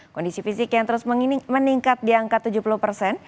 kondisi fisik yang terus meningkat di angka tujuh puluh persen